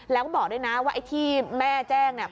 แล้วก็บอกด้วยนะว่าไอ้ที่แม่แจ้งเนี่ย